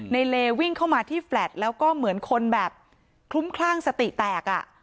เลวิ่งเข้ามาที่แฟลตแล้วก็เหมือนคนแบบคลุ้มคลั่งสติแตกอ่ะ